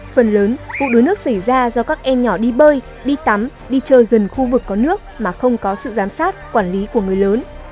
phần lớn vụ đuối nước xảy ra do các em nhỏ đi bơi đi tắm đi chơi gần khu vực có nước mà không có sự giám sát quản lý của người lớn